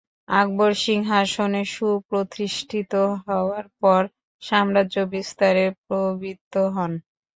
আকবর সিংহাসনে সুপ্রতিষ্ঠিত হওয়ার পর সাম্রাজ্য বিস্তারে প্রবৃত্ত হন।